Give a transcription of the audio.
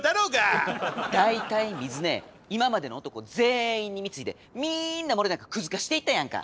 大体みづ姉今までの男全員に貢いでみんな漏れなくクズ化していったやんか！